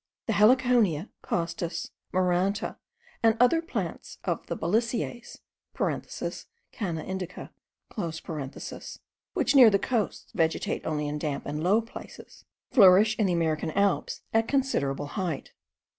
The heliconia, costus, maranta, and other plants of the family of the balisiers (Canna indica), which near the coasts vegetate only in damp and low places, flourish in the American Alps at considerable height.